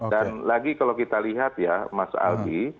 dan lagi kalau kita lihat ya mas aldi